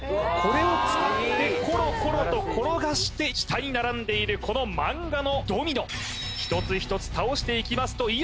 これを使ってコロコロと転がして下に並んでいるこのマンガのドミノ一つ一つ倒していきますと